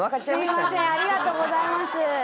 すみませんありがとうございます。